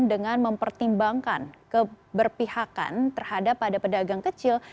dengan mempertimbangkan keberpihakan terhadap pada pedagang kecil